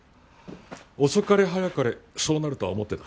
遅かれ早かれそうなるとは思ってた。